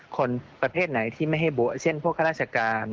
คนประเภทไหนที่ไม่ให้บุเช่นพวกข้าราชการ